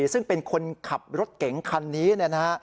ซึ่งเป็นคนขับรถเก๋งคันนี้นะฮะ